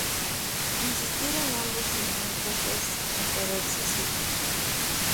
Insistir en ambos infinitos es, empero, excesivo.